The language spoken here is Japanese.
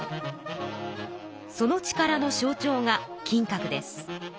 その力の象ちょうが金閣です。